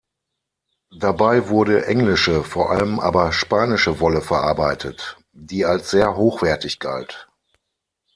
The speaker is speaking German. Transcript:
Dabei wurde englische, vor allem aber spanische Wolle verarbeitet, die als sehr hochwertig galt.